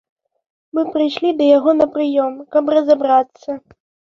Мы прыйшлі да яго на прыём, каб разабрацца.